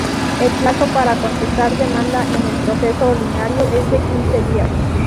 El plazo para contestar demanda en el proceso ordinario es de quince días.